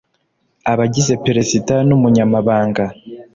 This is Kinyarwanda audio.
abagize Perezida n Umunyabanga